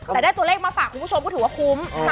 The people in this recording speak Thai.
แต่ได้ตัวเลขมาฝากคุณผู้ชมก็ถือว่าคุ้ม